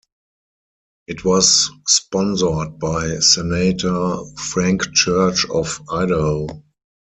It was sponsored by Senator Frank Church of Idaho.